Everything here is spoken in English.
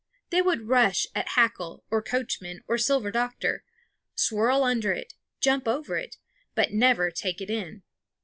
They would rush at Hackle or Coachman or Silver Doctor, swirl under it, jump over it, but never take it in.